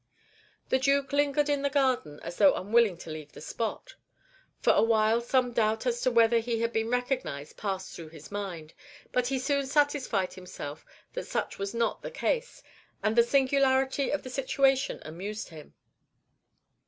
The Duke lingered in the garden, as though unwilling to leave the spot. For a while some doubt as to whether he had been recognized passed through his mind, but he soon satisfied himself that such was not the case, and the singularity of the situation amused him.